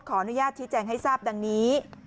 ขออนุญาตชี้แจงให้ทราบดังนี้